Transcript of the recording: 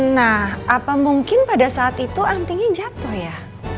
nah apa mungkin pada saat itu antinya jatuh ya